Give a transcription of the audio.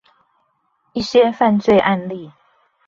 一些犯罪案例